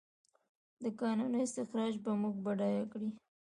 د کانونو استخراج به موږ بډایه کړي؟